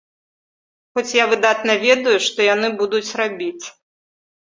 Хоць я выдатна ведаю, што яны будуць рабіць.